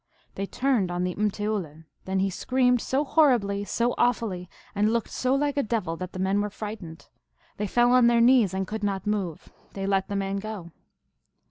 They turned on the m teoulin. Then he screamed so TALES OF MAGIC. 341 horribly, so awfully, and looked so like a devil that the men were frightened. They fell on their knees, and could not move. They let the man go."